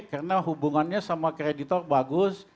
karena hubungannya sama kreditor bagus